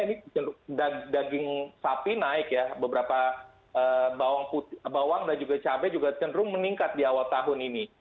ini daging sapi naik ya beberapa bawang dan juga cabai juga cenderung meningkat di awal tahun ini